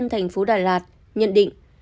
thành phố đà lạt nhận định